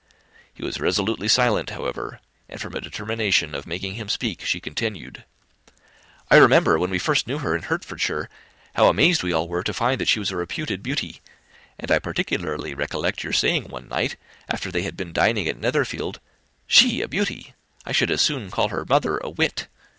He was resolutely silent, however; and, from a determination of making him speak, she continued, "I remember, when we first knew her in Hertfordshire, how amazed we all were to find that she was a reputed beauty; and I particularly recollect your saying one night, after they had been dining at Netherfield, 'She a beauty! I should as soon call her mother a wit.